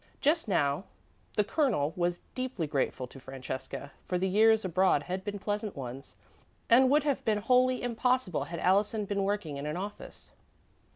Just now, the Colonel was deeply grateful to Francesca, for the years abroad had been pleasant ones, and would have been wholly impossible had Allison been working in an office.